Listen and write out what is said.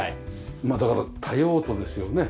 まあだから多用途ですよね。